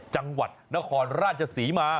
จังหวัดนครราชศรีมา